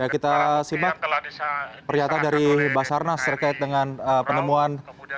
kita simak pernyataan dari basarnas terkait dengan penemuan